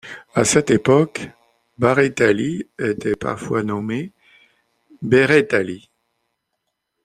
À cette époque, Barrettali était parfois nommé Berrettali.